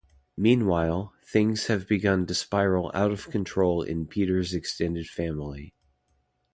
Meanwhile, things have begun to spiral out of control in Peter's extended family.